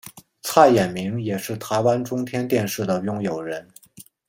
蔡衍明也是台湾中天电视的拥有人。